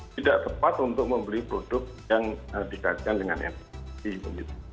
tidak tepat untuk membeli produk yang dikaitkan dengan investasi